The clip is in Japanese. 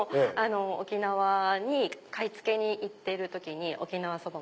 沖縄に買い付けに行ってる時に沖縄そば